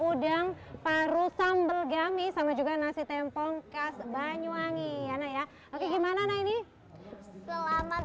udang paru sambal gami sama juga nasi tempong khas banyuwangi ya oke gimana nah ini selamat